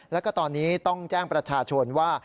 แล้วก็ตอนนี้ต้องแจ้งประชาชนว่า